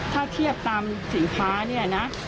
ถ้าเทียบตามสินค้าเนี่ยนะ